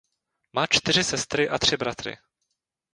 Má čtyři sestry a tři bratry.